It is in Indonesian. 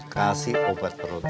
kasih obat perut